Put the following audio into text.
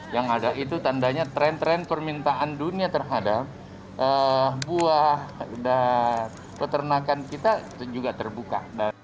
yang ada itu tandanya tren tren permintaan dunia terhadap buah dan peternakan kita juga terbuka